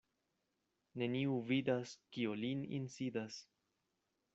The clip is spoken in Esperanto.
Neniu vidas, kio lin insidas.